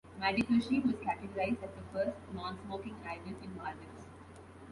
Madifushi was catagorized as the first non smoking Island in Maldives.